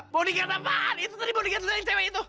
bodyguard apaan itu tadi bodyguard lu yang cewek itu